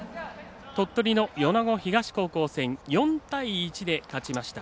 鳥取の米子東高校戦４対１で勝ちました。